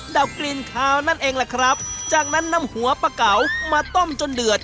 ดับกลิ่นขาวนั่นเองแหละครับจากนั้นนำหัวปลาเก๋ามาต้มจนเดือด